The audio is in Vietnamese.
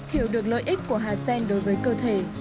hiểu được lợi ích của hà sen đối với cơ thể